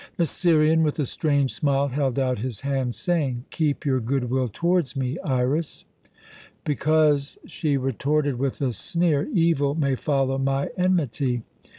The Syrian, with a strange smile, held out his hand, saying: "Keep your good will towards me, Iras." "Because," she retorted with a sneer, "evil may follow my enmity.